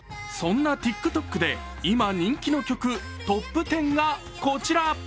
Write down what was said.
そんなＴｉｋＴｏｋで今、人気の曲トップ１０がこちら。